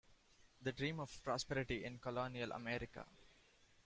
"The Dream of Prosperity in Colonial America.